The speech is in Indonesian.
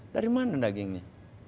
dari mana dagingnya